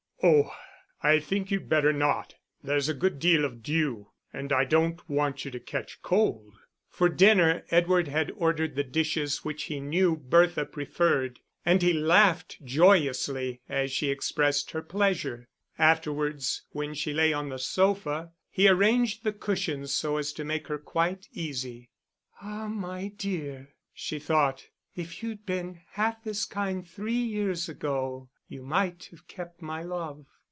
"Oh, I think you'd better not. There's a good deal of dew, and I don't want you to catch cold." For dinner Edward had ordered the dishes which he knew Bertha preferred, and he laughed joyously, as she expressed her pleasure. Afterwards when she lay on the sofa, he arranged the cushions so as to make her quite easy. "Ah, my dear," she thought, "if you'd been half as kind three years ago you might have kept my love."